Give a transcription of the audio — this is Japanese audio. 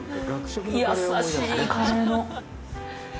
優しいカレーの。